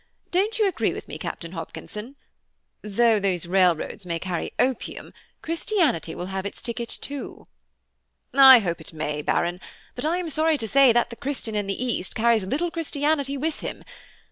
Don't you agree with me, Captain Hopkinson? Though these railroads may carry opium, Christianity will have its ticket too." "I hope it may, Baron; but I am sorry to say that the Christian in the East carries little Christianity with him.